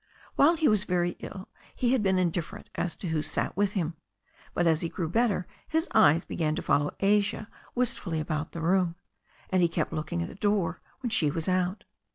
While he was very ill he had been indifferent as to who sat with him, but as he grew better his eyes began to ioWovi Asia wistfully about the room, and he kept looking at the door when she was out.